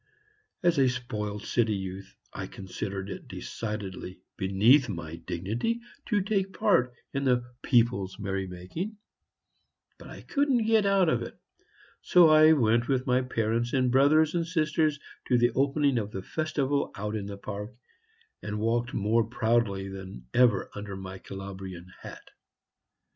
As a spoiled city youth, I considered it decidedly beneath my dignity to take part in the people's merry making; but I couldn't get out of it, and so I went with my parents and brothers and sisters to the opening of the festival out in the park, and walked more proudly than ever under my Calabrian hat.